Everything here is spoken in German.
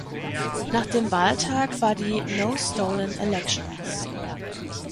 Nach dem Wahltag war die „No Stolen Elections!“